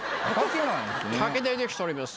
竹でできております。